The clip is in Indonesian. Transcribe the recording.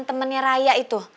para denger ga